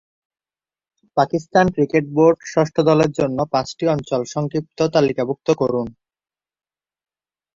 Pakistan cricket board ষষ্ঠ দলের জন্য পাঁচটি অঞ্চল সংক্ষিপ্ত তালিকাভুক্ত করুন।